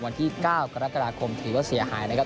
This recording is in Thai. วันที่๙กรกฎาคมถือว่าเสียหายนะครับ